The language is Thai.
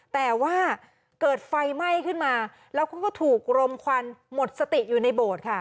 แต่ว่าเกิดไฟไหม้ขึ้นมาแล้วเขาก็ถูกรมควันหมดสติอยู่ในโบสถ์ค่ะ